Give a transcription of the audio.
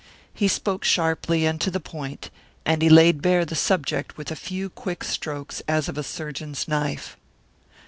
He spoke sharply and to the point, and he laid bare the subject with a few quick strokes, as of a surgeon's knife.